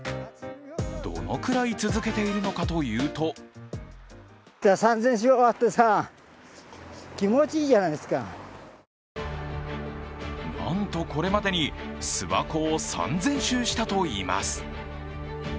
どのくらい続けているのかというとなんと、これまでに諏訪湖を３０００周したといいます。